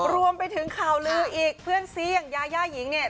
รวมไปถึงข่าวลืออีกเพื่อนซีอย่างยาย่าหญิงเนี่ย